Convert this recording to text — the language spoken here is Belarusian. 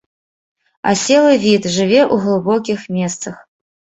Аселы від, жыве ў глыбокіх месцах.